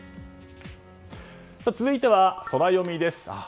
続いてはソラよみです。